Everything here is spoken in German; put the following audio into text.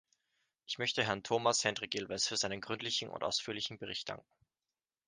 Ich möchte Herrn Toomas Hendrik Ilves für seinen gründlichen und ausführlichen Bericht danken.